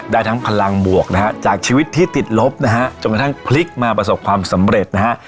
ได้ทั้งพลังบวกนะฮะจากชีวิตที่ติดลบนะฮะจนกระทั่งพลิกมาประสบความสำเร็จนะฮะ